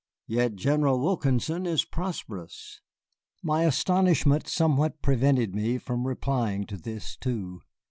Yet General Wilkinson is prosperous." My astonishment somewhat prevented me from replying to this, too.